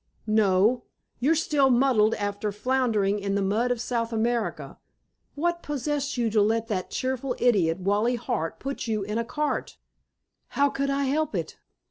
"No. You're still muddled after floundering in the mud of South America. What possessed you to let that cheerful idiot, Wally Hart, put you in the cart?" "How could I help it?